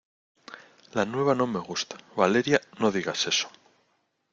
la nueva no me gusta. Valeria, no digas eso